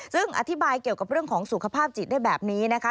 ซึ่งอธิบายเกี่ยวกับเรื่องของสุขภาพจิตได้แบบนี้นะคะ